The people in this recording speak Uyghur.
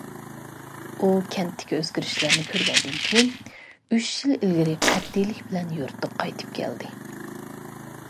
ئۇ كەنتتىكى ئۆزگىرىشلەرنى كۆرگەندىن كېيىن، ئۈچ يىل ئىلگىرى قەتئىيلىك بىلەن يۇرتىغا قايتىپ كەلدى.